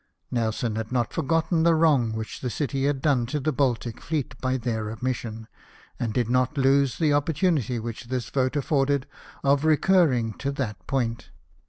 Nelson had not for gotten the wrong which the City had done to the Baltic fleet by their omission, and did not lose the opportunity which this vote afforded of recurring to that point.